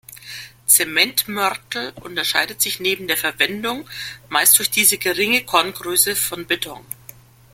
Zementmörtel unterscheidet sich neben der Verwendung meist durch diese geringe Korngröße von Beton.